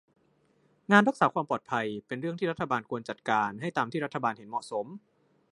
งานรักษาความปลอดภัย เป็นเรื่องที่รัฐบาลควรจัดการให้ตามที่รัฐบาลห็นเหมาะสม